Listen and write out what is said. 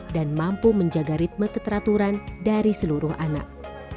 dan mampu menjaga ritme keteraturan dari seluruh anak